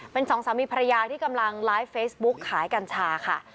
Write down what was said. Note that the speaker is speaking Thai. เป็นสองสามีภรรยาที่กำลังไลฟ์เฟซบุ๊กขายกัญชาค่ะ